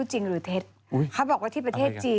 เจอมีเหรอ